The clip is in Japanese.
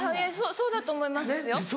そそうだと思いますよ。